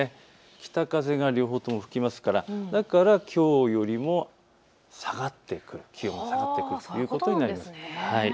北風が両方とも吹きますからだからきょうよりも気温が下がってくるということになります。